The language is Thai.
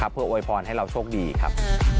เพื่ออวยพรให้เราโชคดีครับ